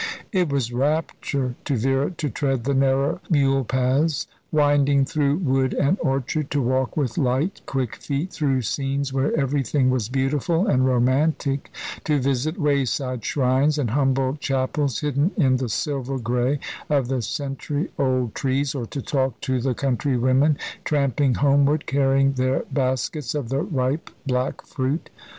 It was rapture to Vera to tread the narrow mule paths, winding through wood and orchard, to walk with light, quick feet through scenes where everything was beautiful and romantic; to visit wayside shrines, and humble chapels hidden in the silver grey of the century old trees, or to talk to the country women tramping homeward, carrying their baskets of the ripe black fruit.